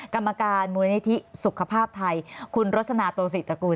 กรรมการมูลนิธิสุขภาพไทยคุณรสนาโตศิตระกูล